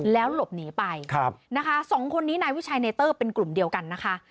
แล้วหลบหนีไปนะคะสองคนนี้นายวิชัยในเตอร์เป็นกลุ่มเดียวกันนะคะ